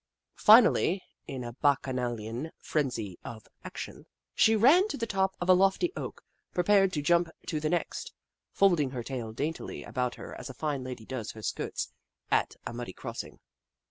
Fi nally, in a bacchanalian frenzy of action, she ran to the top of a lofty oak and prepared to jump to the next, folding her tail daintily about her as a fine lady does her skirts at a muddy crossing.